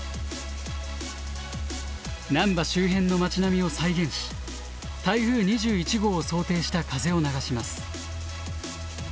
難波周辺の町並みを再現し台風２１号を想定した風を流します。